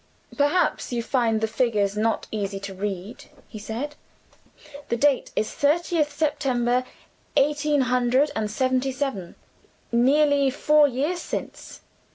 "Perhaps you find the figures not easy to read," he said. "The date is 'thirtieth September, eighteen hundred and seventy seven' nearly four years since."